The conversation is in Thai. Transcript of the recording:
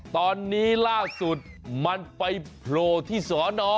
ตอนนี้ล่าสุดมันไปโผล่ที่สอนอ